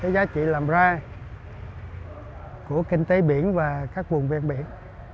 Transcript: giá trị làm ra của kinh tế biển và các vùng ven biển